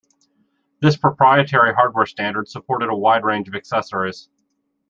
This proprietary hardware standard supported a wide range of accessories.